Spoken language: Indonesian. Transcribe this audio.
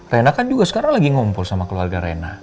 rena kan juga sekarang lagi ngumpul sama keluarga rena